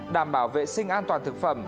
đảm bảo vệ sinh an toàn thực phẩm